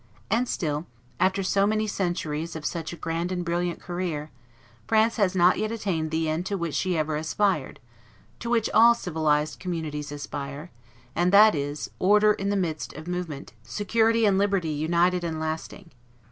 And still, after so many centuries of such a grand and brilliant career, France has not yet attained the end to which she ever aspired, to which all civilized communities aspire, and that is, order in the midst of movement, security and liberty united and lasting.